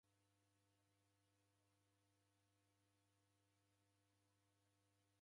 W'ufunguo gholagharieghe ghwaw'oneka